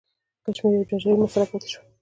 کشمیر یوه جنجالي مسله پاتې شوه.